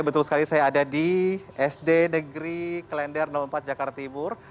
betul sekali saya ada di sd negeri klender empat jakarta timur